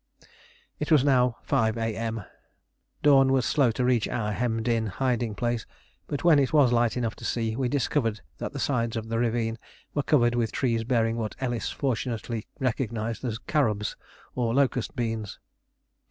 It was now 5 A.M. Dawn was slow to reach our hemmed in hiding place; but when it was light enough to see, we discovered that the sides of the ravine were covered with trees bearing what Ellis fortunately recognised as "carobs" or locust beans.